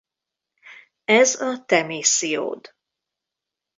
Ez a te missziód.